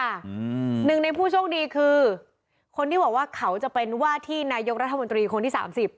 อืมหนึ่งในผู้โชคดีคือคนที่บอกว่าเขาจะเป็นว่าที่นายกรัฐมนตรีคนที่สามสิบ